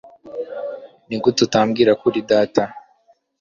Nigute utambwira ko uri data